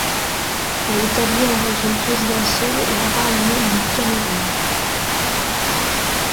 Elle établit un régime présidentiel et un Parlement bicaméral.